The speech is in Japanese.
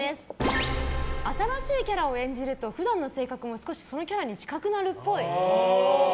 新しいキャラを演じると普段の性格も少しそのキャラに近くなるっぽい。